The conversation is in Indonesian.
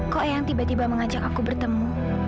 kok yang tiba tiba mengajak aku bertemu